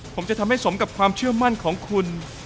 ผมจะทำให้สมกับความเชื่อมั่นของคุณ